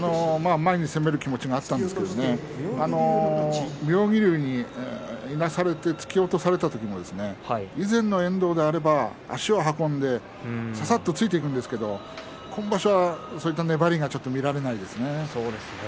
前に攻める気持ちがあったんですけれど妙義龍に、いなされて突き落とされた時も以前の遠藤であれば、足を運んでささっと突いていくんですけれど今場所はそういった粘りがちょっと見られないですね。